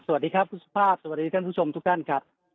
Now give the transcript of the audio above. สวัสดีครับคุณสุภาพสวัสดีท่านผู้ชมทุกท่านครับ